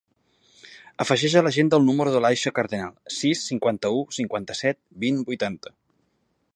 Afegeix a l'agenda el número de l'Aisha Cardenal: sis, cinquanta-u, cinquanta-set, vint, vuitanta.